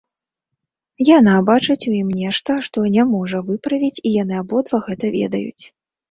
Яна бачыць у ім нешта, што не можа выправіць, і яны абодва гэта ведаюць.